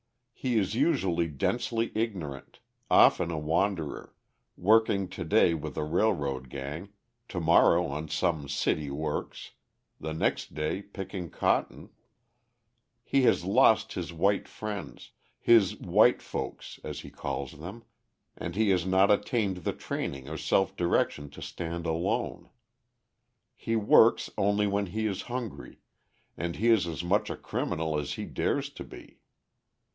He is usually densely ignorant, often a wanderer, working to day with a railroad gang, to morrow on some city works, the next day picking cotton. He has lost his white friends his "white folks," as he calls them and he has not attained the training or self direction to stand alone. He works only when he is hungry, and he is as much a criminal as he dares to be.